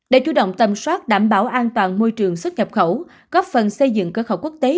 để chủ động tầm soát đảm bảo an toàn môi trường xuất nhập khẩu góp phần xây dựng cơ khẩu quốc tế